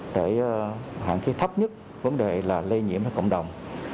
để hạn khi thấp nhất vấn đề là lây nhiễm cho cộng đồng